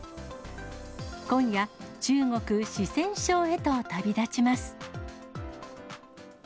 今夜、中国・四川省へと旅立ちます。